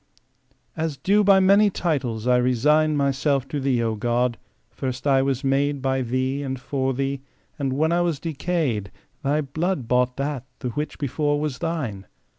AS due by many titles I resign Myself to thee, O God. First I was made By Thee ; and for Thee, and when I was decay'd Thy blood bought that, the which before was Thine.